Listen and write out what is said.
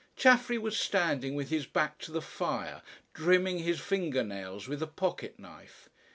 Chaffery was standing with his back to the fire, trimming his finger nails with a pocket knife.